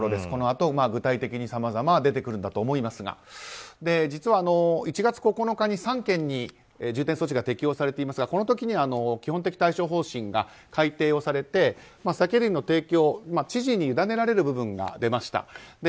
このあと具体的にさまざま出てくるんだと思いますが実は１月９日に３県に重点措置が適用されていますが、この時に基本的対処方針が改定されて酒類の提供知事にゆだねられる部分が出ました。